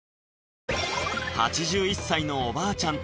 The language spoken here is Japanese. ８１歳のおばあちゃん